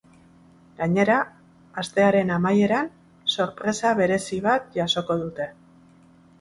Gainera, astearen amaieran, sorpresa berezi bat jasoko dute.